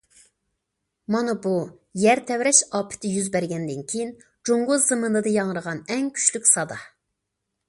مانا بۇ يەر تەۋرەش ئاپىتى يۈز بەرگەندىن كېيىن جۇڭگو زېمىنىدا ياڭرىغان ئەڭ كۈچلۈك سادا.